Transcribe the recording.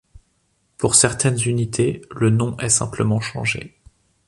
Pour certaines unités, le nom est simplement changé.